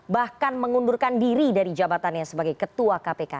bahkan mengundurkan diri dari jabatannya sebagai ketua kpk